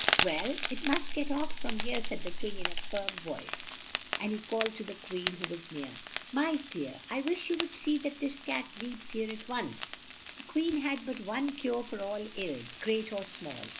"Well, it must get off from here," said the King in a firm voice, and he called to the Queen, who was near, "My dear! I wish you would see that this cat leaves here at once!" The Queen had but one cure for all ills, great or small.